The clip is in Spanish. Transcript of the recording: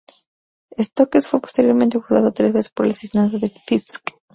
Stokes fue posteriormente juzgado tres veces por el asesinato de Fisk.